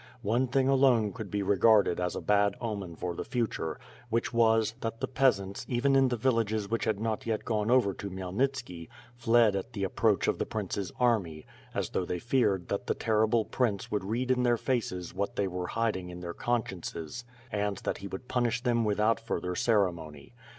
One thing alone could be regarded as a bad omen for the future, which was, that the peasants, even in the villages which had not yet gone over to Khmyelnitski, fled at the approach of the prince's army, as though they feared that the terrible prince would read in their faces what they were hiding in their consciences and that he would punish them without further ceremony.